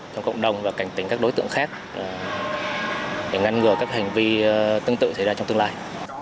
trong cộng đồng và cảnh tính các đối tượng khác để ngăn ngừa các hành vi tương tự xảy ra trong tương lai